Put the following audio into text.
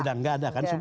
udah enggak ada kan